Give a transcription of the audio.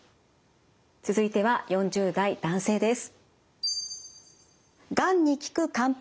続いては４０代男性です。